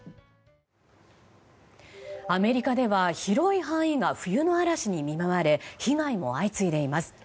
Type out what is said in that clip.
アメリカでは広い範囲が冬の嵐に見舞われ被害も相次いでいます。